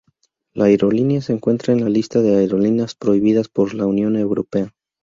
La aerolínea se encuentra en la lista de aerolíneas prohibidas por la Unión Europea.